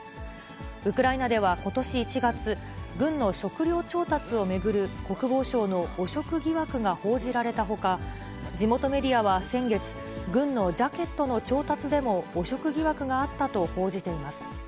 ウクライナではことし１月、軍の食料調達を巡る国防省の汚職疑惑が報じられたほか、地元メディアは先月、軍のジャケットの調達でも汚職疑惑があったと報じています。